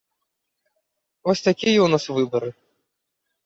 Вось такія ў нас выбары.